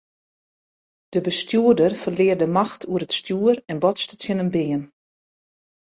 De bestjoerder ferlear de macht oer it stjoer en botste tsjin in beam.